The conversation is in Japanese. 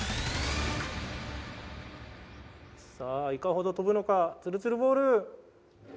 さあいかほど飛ぶのかツルツルボール！